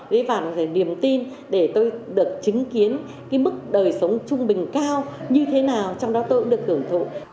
gây vào điểm tin để tôi được chứng kiến mức đời sống trung bình cao như thế nào trong đó tôi cũng được thưởng thụ